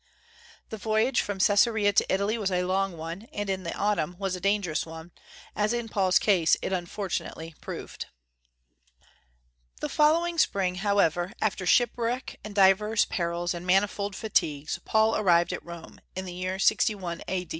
The voyage from Caesarea to Italy was a long one, and in the autumn was a dangerous one, as in Paul's case it unfortunately proved. The following spring, however, after shipwreck and divers perils and manifold fatigues, Paul arrived at Rome, in the year 61 A.